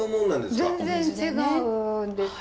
全然違うんです。